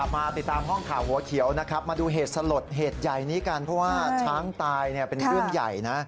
มาติดตามห้องข่าวหัวเขียวนะครับมาดูเหตุสลดเหตุใหญ่นี้กันเพราะว่าช้างตายเป็นเรื่องใหญ่นะ